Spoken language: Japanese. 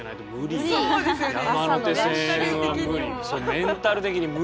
メンタル的にも。